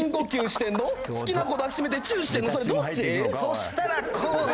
そしたらこうよ！